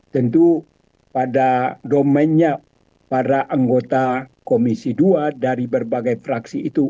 tentu pada domennya para anggota komisi dua dari berbagai fraksi itu